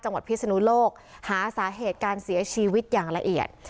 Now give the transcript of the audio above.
พิศนุโลกหาสาเหตุการเสียชีวิตอย่างละเอียด